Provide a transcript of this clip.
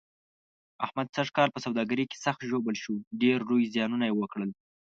احمد سږ کال په سوداګرۍ کې سخت ژوبل شو، ډېر لوی زیانونه یې وکړل.